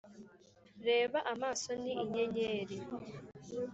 reba amaso ni inyenyeri